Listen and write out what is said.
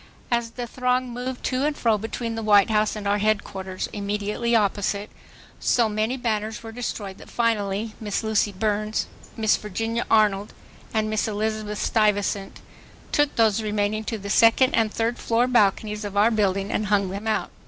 As the throng moved to and fro between the White House and our Headquarters immediately opposite, so many banners were destroyed that finally Miss Lucy Burns, Miss Virginia Arnold and Miss Elizabeth Stuyvesant took those remaining to the second and third floor balconies of our building and hung them out.